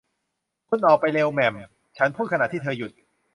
คุณออกไปเร็ว แหม่ม ฉันพูดขณะที่เธอหยุด